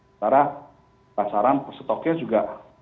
secara pasaran stoknya juga